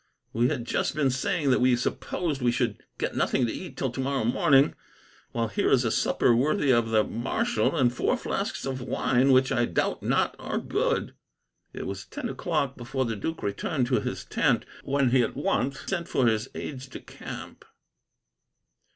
We had just been saying that we supposed we should get nothing to eat till tomorrow morning, while here is a supper worthy of the marshal, and four flasks of wine, which I doubt not are good." It was ten o'clock before the duke returned to his tent, when he at once sent for his aides de camp.